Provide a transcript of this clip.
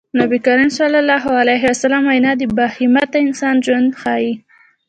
د نبي کريم ص وينا د باهدفه انسان ژوند ښيي.